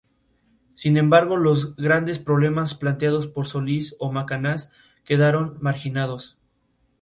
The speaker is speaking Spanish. La obra incluye a la Universidad de Salamanca como escenario principal, además de Madrid.